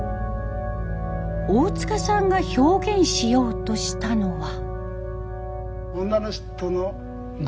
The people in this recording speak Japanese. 大塚さんが表現しようとしたのは。